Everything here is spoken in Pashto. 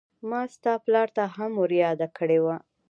ما ستا پلار ته هم ور ياده کړې وه.